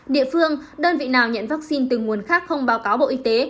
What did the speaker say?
địa phương đơn vị nào nhận vaccine từ nguồn khác không báo cáo bộ y tế